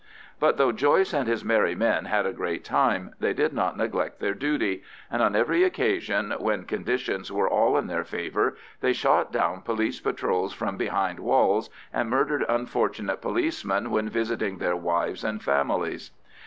But though Joyce and his merry men had a great time, they did not neglect their duty; and on every occasion, when conditions were all in their favour, they shot down police patrols from behind walls, and murdered unfortunate policemen when visiting their wives and families.